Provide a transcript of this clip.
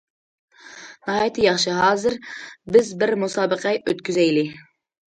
ناھايىتى ياخشى، ھازىر بىز بىر مۇسابىقە ئۆتكۈزەيلى.